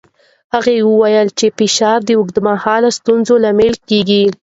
هغه وویل چې فشار د اوږدمهاله ستونزو لامل کېږي.